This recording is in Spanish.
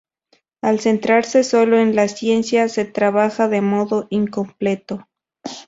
Al centrarse sólo en la ciencia, se trabaja de modo incompleto.